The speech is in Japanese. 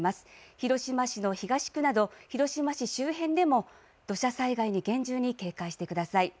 広島市の東区など広島市周辺でも土砂災害に厳重に警戒してください。